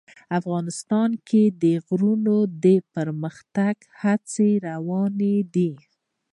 افغانستان کې د غرونه د پرمختګ هڅې روانې دي.